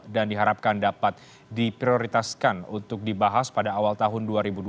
dan diharapkan dapat diprioritaskan untuk dibahas pada awal tahun dua ribu dua puluh dua